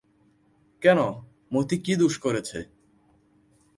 কেন, মতি কী দোষ করেছে?